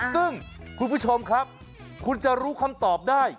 ซึ่งคุณผู้ชมครับคุณจะรู้คำตอบได้